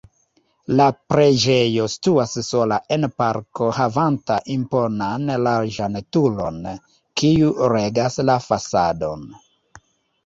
La preĝejo situas sola en parko havanta imponan larĝan turon, kiu regas la fasadon.